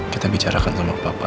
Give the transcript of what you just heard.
kita bicarakan sama papa